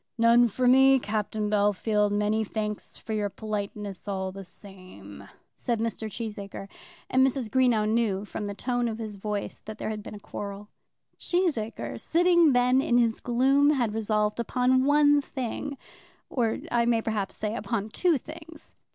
"None for me, Captain Bellfield; many thanks for your politeness all the same," said Mr. Cheesacre; and Mrs. Greenow knew from the tone of his voice that there had been a quarrel. Cheesacre sitting then in his gloom, had resolved upon one thing, or, I may perhaps say, upon two things.